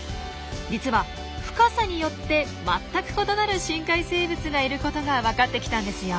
実は深さによって全く異なる深海生物がいることがわかってきたんですよ。